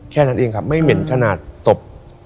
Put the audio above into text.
แค่นั้นเองครับไม่เหม็นขนาดศพ